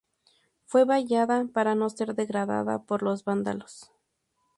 Fue vallada para no ser degradada por los vándalos.